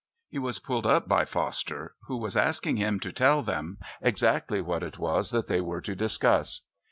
He was pulled up by Foster, who was asking him to tell them exactly what it was that they were to discuss.